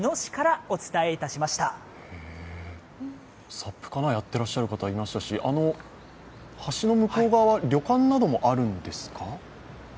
サップかな、やっていらっしゃる方、いらっしゃいましたし、橋の向こう側は、旅館などもあるんですか？